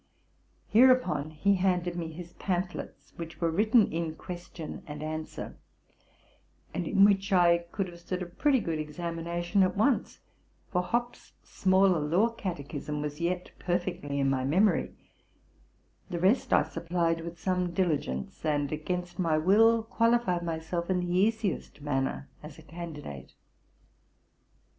'' Hereupon he handed me his pamphlets, which were written in question and answer, and in which I could haye stood a pretty good examination at once ; for Hopp's smaller law catechism was yet perfectly in my memory : the rest I supplied with some diligence, and, against my will, qualified myself in the easiest manner as a candidate.